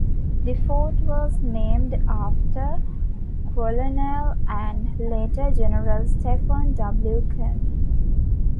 The fort was named after Colonel and later General Stephen W. Kearny.